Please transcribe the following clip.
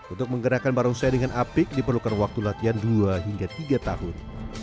untuk menggerakkan barongsai dengan apik diperlukan waktu latihan dua hingga tiga tahun